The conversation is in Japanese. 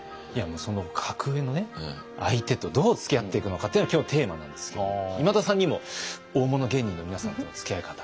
その格上の相手とどうつきあっていくのかっていうのが今日のテーマなんですけれども今田さんにも大物芸人の皆さんとのつきあい方。